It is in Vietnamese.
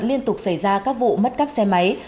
liên tục xảy ra các vụ mất cắp xe máy